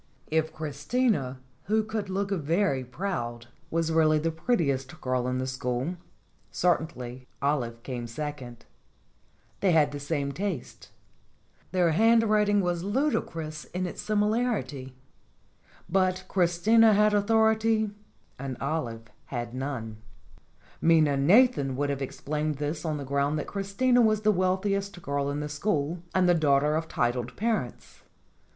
If Christina, who could look very proud, was really the prettiest girl in the school, certainly Olive came second. They had the same tastes; their handwriting was ludicrous in its similarity. But Christina had authority and Olive had none. Minna Nathan would have explained this on the ground that Christina was the wealthiest girl in the school and the daughter of titled parents.